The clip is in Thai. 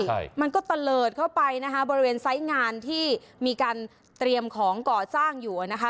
ใช่มันก็ตะเลิศเข้าไปนะคะบริเวณไซส์งานที่มีการเตรียมของก่อสร้างอยู่อะนะคะ